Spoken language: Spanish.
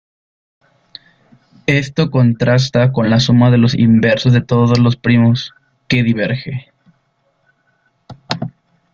Esto contrasta con la suma de los inversos de todos los primos, que diverge.